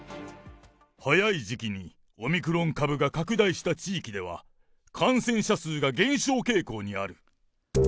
早い時期にオミクロン株が拡大した地域では、感染者数が減少傾向にある。